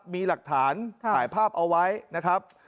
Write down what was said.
มีหลักฐานถ่ายภาพเอาไว้นะครับ